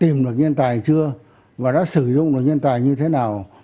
về vấn đề đã tìm được nhân tài chưa và đã sử dụng được nhân tài như thế nào